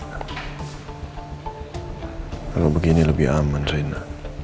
kalau begini lebih aman rina